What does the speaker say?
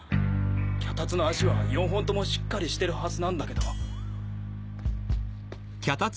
脚立の脚は４本ともしっかりしてるはずなんだけど。